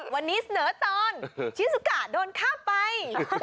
วันนี้เสนอตอนชิสุกะโดนฆ่าไป